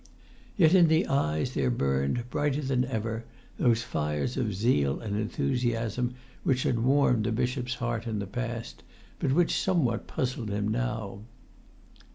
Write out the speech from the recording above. Yet in the eyes there burnt, brighter than ever, those fires of zeal and of enthusiasm which had warmed the bishop's heart in the past, but which somewhat puzzled him now.